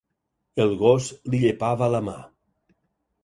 El gos li llepava la mà.